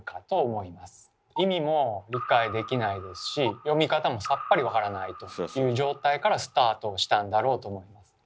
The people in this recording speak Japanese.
意味も理解できないですし読み方もさっぱりわからないという状態からスタートをしたんだろうと思います。